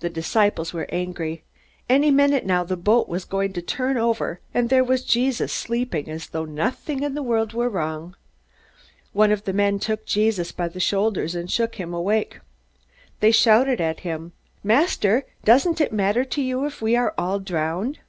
The disciples were angry. Any minute now the boat was going to turn over, and there was Jesus sleeping as though nothing in the world were wrong! One of the men took Jesus by the shoulders, and shook him awake. They shouted at him, "Master, doesn't it matter to you if we are all drowned?"